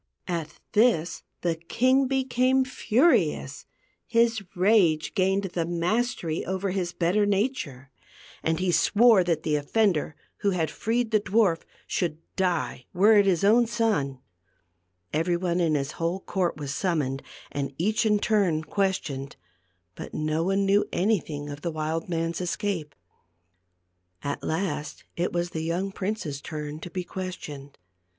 At this the king became furious ; his rage gained ^ the mastery over his better nature, and he swore that the offender who had freed the dwarf should ,,„ die, w r ere it his own son. Every 1 a §5 ^ one in his whole court was summoned, and each in turn questioned ; but no one knew anything of the wild man's escape. At last it was the young prince's turn to be questioned.